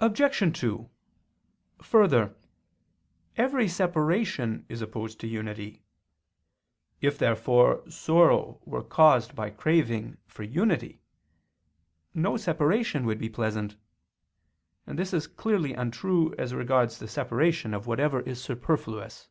Obj. 2: Further, every separation is opposed to unity. If therefore sorrow were caused by a craving for unity, no separation would be pleasant: and this is clearly untrue as regards the separation of whatever is superfluous.